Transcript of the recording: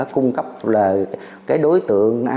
cung cấp là cái đối tượng